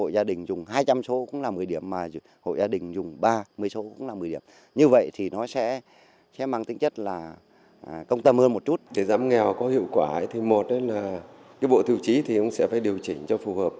giảm nghèo có hiệu quả thì một là bộ tiêu chí sẽ phải điều chỉnh cho phù hợp